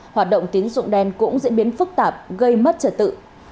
hoạt động tín dụng đen cũng diễn biến phức tạp gây mất trật tự